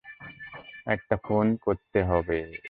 একটা ফোন করতে হবে।